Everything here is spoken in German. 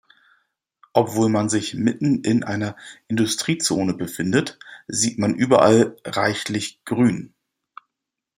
Obwohl man sich mitten in einer Industriezone befindet, sieht man überall reichlich Grün.